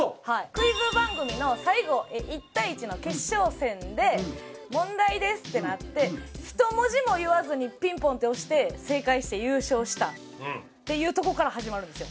クイズ番組の最後１対１の決勝戦で「問題です」ってなって１文字も言わずにピンポンって押して正解して優勝したっていうとこから始まるんですよ。